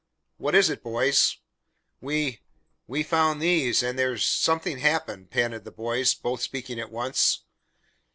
"What is it, boys?" "We we found these and there's something happened," panted the boys, both speaking at once.